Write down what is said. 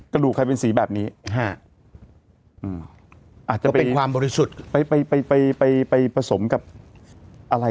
ก็ดูใครเป็นสีแบบนี้อาจจะเฟ้ยความบริสุทธิ์ไปไปไปไปไปไปผสมกับอะไร